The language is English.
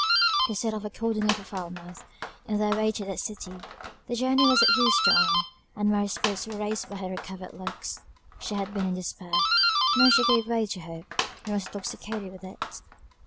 They set off accordingly for Falmouth, in their way to that city. The journey was of use to Ann, and Mary's spirits were raised by her recovered looks She had been in despair now she gave way to hope, and was intoxicated with it.